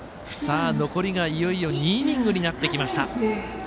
残りが、いよいよ２イニングになってきました。